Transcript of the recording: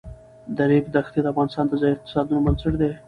د ریګ دښتې د افغانستان د ځایي اقتصادونو بنسټ دی.